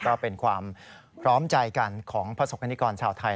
ก็เป็นความพร้อมใจกันของประสบกรณิกรชาวไทย